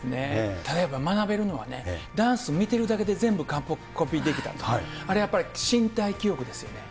ただやっぱり学べるのは、ダンス見てるだけで全部完コピできたと、あれ、やっぱり身体記憶ですよね。